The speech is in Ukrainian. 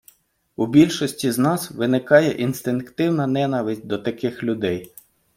У більшості з нас виникає інстинктивна ненависть до таких людей.